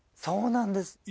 そうなんです。